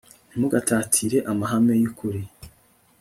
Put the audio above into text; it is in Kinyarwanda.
ntimugatatire amahame yukuri